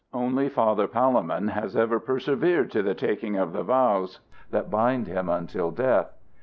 Only Father Palemon has ever persevered to the taking of the vows that bind him until death.